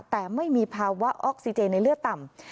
แต่ไม่มีภาวะออกซิเจนในเลือดต่ำ